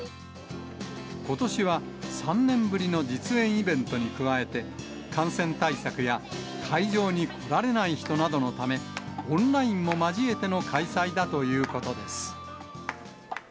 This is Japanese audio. ことしは３年ぶりの実演イベントに加えて、感染対策や会場に来られない人のため、オンラインも交えての開催だということです。